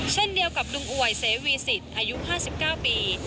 เช่นเดียวกับลุงอวยเสวีสิตอายุ๕๙ปี